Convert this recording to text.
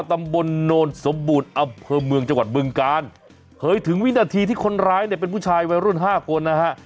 ตำบลโนนสมบูรณ์อำเภอเมืองจังหวัดบึงกาลเผยถึงวินาทีที่คนร้ายเนี่ยเป็นผู้ชายวัยรุ่นห้าคนนะฮะ